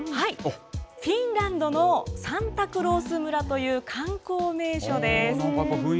フィンランドのサンタクロース村という観光名所です。